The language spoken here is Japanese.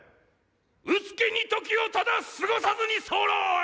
うつけに時をただ過ごさずに候！